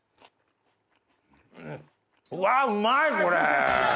うわうまいこれ！